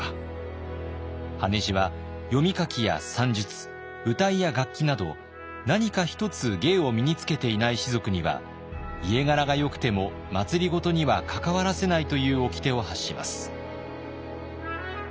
羽地は読み書きや算術謡や楽器など何か一つ芸を身につけていない士族には家柄がよくても政には関わらせないというおきてを発します。